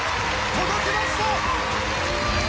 届けました！